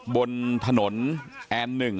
บนถนนแอนหนึ่ง